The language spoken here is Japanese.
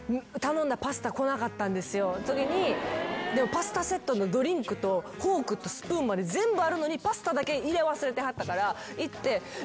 パスタセットのドリンクとフォークとスプーンまで全部あるのにパスタだけ入れ忘れてはったから行って。